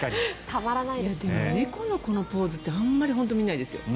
猫のこのポーズってあまり見ないですよね。